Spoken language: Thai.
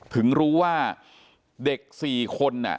ถึงรู้ว่าเด็ก๔คน